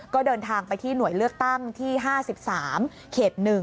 ก็เดินทางไปที่หน่วยเลือกตั้งที่๕๓เขต๑